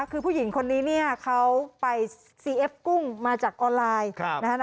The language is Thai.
คือผู้หญิงคนนี้เขาไปซีเอฟกุ้งมาจากออนไลน์